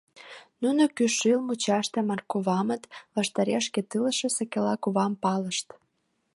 Нуно кӱшыл мучаште Марковамыт ваштареш шкет илыше Сакела кувам палышт.